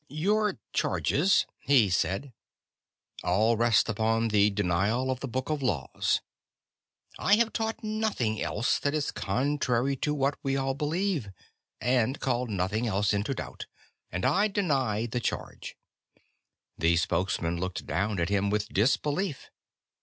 "Your charges," he said, "all rest upon the denial of the Book of Laws. I have taught nothing else that is contrary to what we all believe, and called nothing else into doubt. And I deny the charge." The Spokesman looked down at him with disbelief.